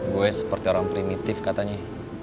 gue seperti orang primitif katanya